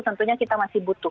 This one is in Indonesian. tentunya kita masih butuh